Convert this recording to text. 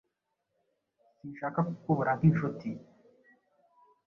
Sinshaka kukubura nk'inshuti.